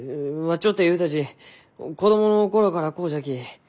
ちょったゆうたち子供の頃からこうじゃき。